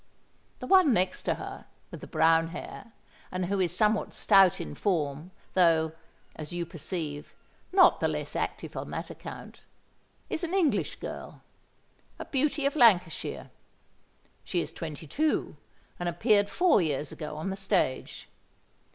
The one next to her, with the brown hair, and who is somewhat stout in form, though, as you perceive, not the less active on that account, is an English girl—a beauty of Lancashire. She is twenty two, and appeared four years ago on the stage.